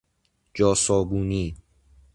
جا صابونی